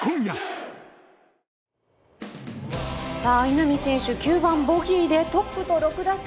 稲見選手９番、ボギーでトップと６打差。